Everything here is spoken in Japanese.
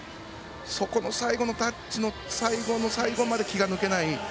そこの最後のタッチの最後の最後まで気が抜けない